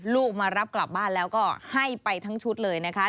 ลูกมารับกลับบ้านแล้วก็ให้ไปทั้งชุดเลยนะคะ